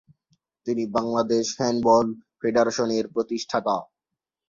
তিনি বাংলাদেশ হ্যান্ডবল ফেডারেশনের প্রতিষ্ঠাতা।